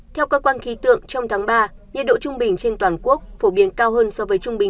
theo cơ quan khí tượng trong tháng ba nhiệt độ trung bình trên toàn quốc phổ biến cao hơn so với trung bình